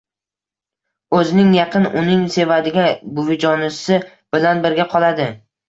o‘zining yaqin, uning sevadigan buvijonisi bilan birga qoladi.